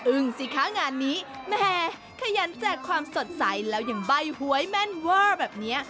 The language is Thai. สิคะงานนี้แม่ขยันแจกความสดใสแล้วยังใบ้หวยแม่นเวอร์แบบนี้